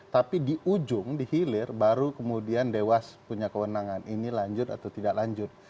tapi di ujung di hilir baru kemudian dewas punya kewenangan ini lanjut atau tidak lanjut